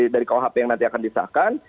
dari kuhp yang nanti akan disahkan